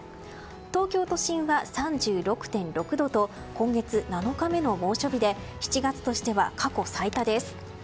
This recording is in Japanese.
東京都心は３６．６度と今月７日目の猛暑日で７月としては過去最多です。